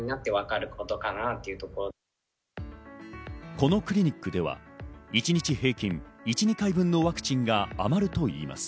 このクリニックでは一日平均１２回分のワクチンが余るといいます。